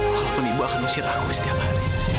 walaupun ibu akan usir aku setiap hari